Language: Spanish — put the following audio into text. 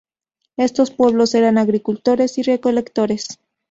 Estos pueblos eran agricultores y recolectores.